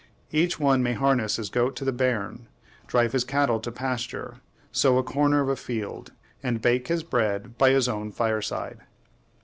Each one may harness his goat to the bearn, drive his cattle to pasture, sow a corner of a field, and bake his bread by his own fireside.